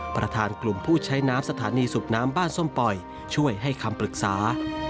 ประธานกลุ่มผู้ใช้น้ำสถานีสูบน้ำบ้านส้มปล่อยช่วยให้คำปรึกษา